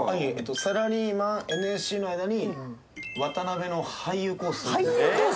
サラリーマン、ＮＳＣの間に、俳優コース？